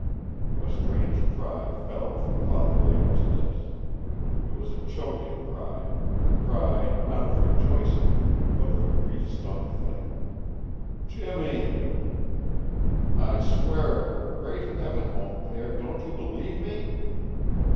A strange cry fell from Father Layonne's lips. It was a choking cry, a cry, not of rejoicing, but of a grief stung thing. "Jimmy!" "I swear it! Great heaven, mon pere, don't you believe me?"